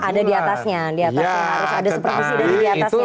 ada di atasnya harus ada supervisi dari di atasnya silakan prof